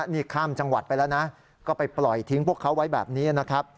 นี่ข้ามจังหวัดไปแล้วนะก็ไปปล่อยทิ้งพวกเขาไว้แบบนี้นะครับ